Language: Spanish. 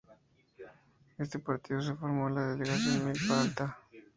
Este partido se formó en la delegación Milpa Alta.